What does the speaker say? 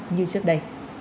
như trước đây